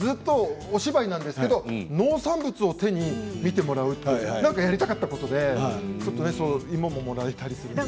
お芝居なんですけど農産物を右手に見てもらうってやりたかったことで芋をもらえたりするんです。